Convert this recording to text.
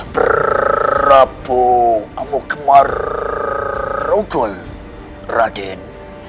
berapa saya mau kemarugol raden